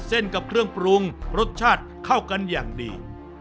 กับเครื่องปรุงรสชาติเข้ากันอย่างดี